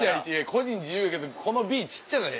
個人自由やけどこの「Ｂ」小っちゃない？